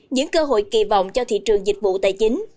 những cơ hội kỳ vọng cho thị trường dịch vụ tài chính